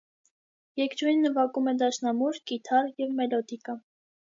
Երգչուհին նվագում է դաշնամուր, կիթառ և մելոդիկա։